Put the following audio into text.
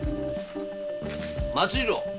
松次郎！